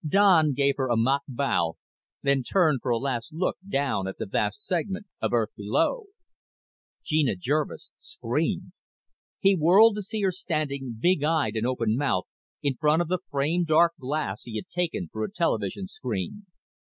Don gave her a mock bow, then turned for a last look down at the vast segment of Earth below. Geneva Jervis screamed. He whirled to see her standing, big eyed and open mouthed, in front of the framed dark glass he had taken for a television screen.